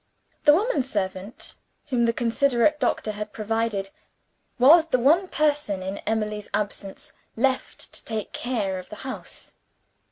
The woman servant, whom the considerate doctor had provided, was the one person in Emily's absence left to take care of the house.